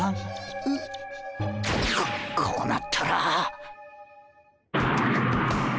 ここうなったら。